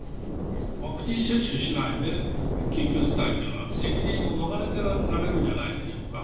ワクチン接種しないで緊急事態というのは、責任を逃れられてられるんじゃないでしょうか。